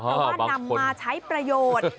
เพราะว่านำมาใช้ประโยชน์